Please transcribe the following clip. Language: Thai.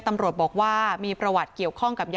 ตำรวจบอกว่ามีประวัติเกี่ยวข้องกับยา